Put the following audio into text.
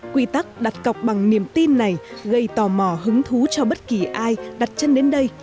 quy tắc đặt cọc bằng niềm tin này gây tò mò hứng thú cho bất kỳ ai đặt chân đến đây